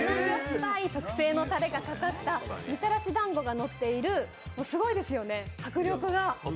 ぱいたれがかかったみたらし団子がのっている、すごいですよね、迫力が。